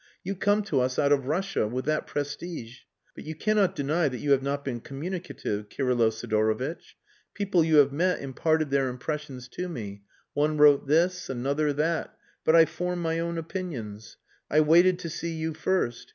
You come to us out of Russia, with that prestige. But you cannot deny that you have not been communicative, Kirylo Sidorovitch. People you have met imparted their impressions to me; one wrote this, another that, but I form my own opinions. I waited to see you first.